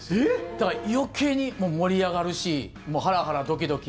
だから余計に盛り上がるしハラハラドキドキ。